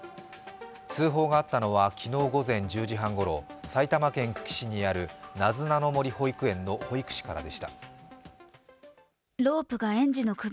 通報があったのは昨日午前１０時半ごろ、埼玉県久喜市にあるなずなの森保育園の保育士からでした。